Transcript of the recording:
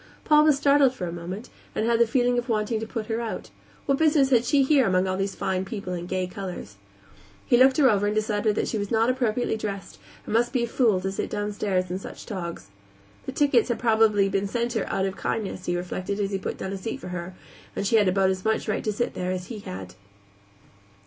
Paul was startled for a moment, and had the feeling of wanting to put her out; what business had she here among all these fine people and gay colors? He looked her over and decided that she was not appropriately dressed and must be a fool to sit downstairs in such togs. The tickets had probably been sent her out of kindness, he reflected as he put down a seat for her, and she had about as much right to sit there as he had.